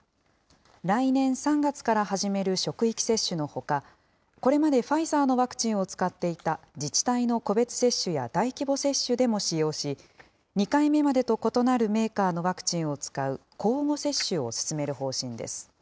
来年３月から始める職域接種のほか、これまでファイザーのワクチンを使っていた自治体の個別接種や大規模接種でも使用し、２回目までと異なるメーカーのワクチンを使う交互接種を進める方針です。